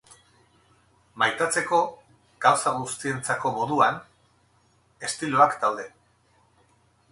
Maitatzeko, gauza guztientzako moduan, estiloak daude.